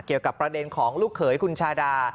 เกี่ยวกับประเด็นของลูกเขยคุณชาดา